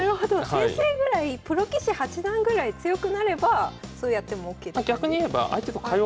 先生ぐらいプロ棋士八段ぐらい強くなればそうやってもＯＫって感じ？